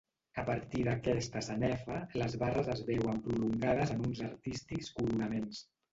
A partir d'aquesta sanefa, les barres es veuen prolongades en uns artístics coronaments.